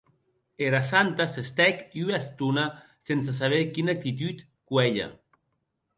Era santa s’estèc ua estona sense saber quina actitud cuélher.